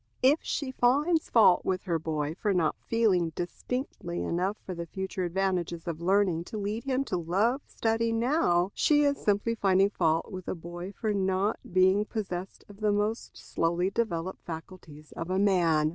If she finds fault with her boy for not feeling distinctly enough the future advantages of learning to lead him to love study now, she is simply finding fault with a boy for not being possessed of the most slowly developed faculties of a man.